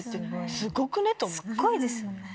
すっごいですよね。